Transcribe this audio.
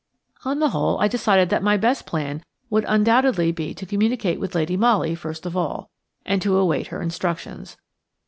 On the whole, I decided that my best plan would undoubtedly be to communicate with Lady Molly first of all, and to await her instructions.